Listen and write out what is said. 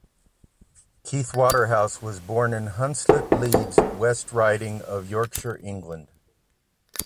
Keith Waterhouse was born in Hunslet, Leeds, West Riding of Yorkshire, England.